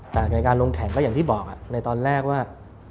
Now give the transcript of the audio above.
แต่ในการลงแข่งก็อย่างที่บอกในตอนแรกว่า